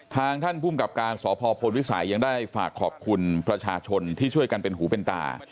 ท่านภูมิกับการสพพลวิสัยยังได้ฝากขอบคุณประชาชนที่ช่วยกันเป็นหูเป็นตา